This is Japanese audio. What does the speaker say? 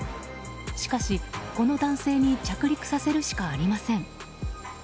しかし、この男性に着陸させるしかありません。